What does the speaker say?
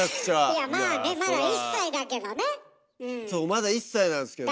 まだ１歳なんすけど。